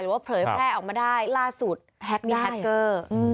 หรือว่าเผยแพร่ออกมาได้ล่าสุดแฮกเกอร์อืม